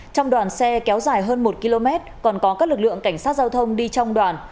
trong đoàn xe kéo dài hơn một km còn có các lực lượng cảnh sát giao thông đi trong đoàn